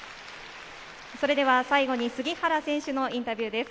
最後に杉原選手のインタビューです。